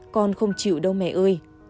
con không chịu đâu mẹ ơi